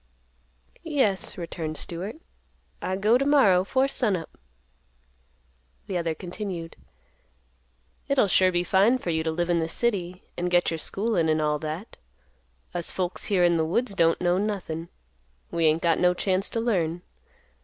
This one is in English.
"Yes," returned Stewart; "I go to morrow 'fore sun up." The other continued; "It'll sure be fine for you to live in the city and get your schoolin' and all that. Us folks here in the woods don't know nothin'. We ain't got no chance to learn.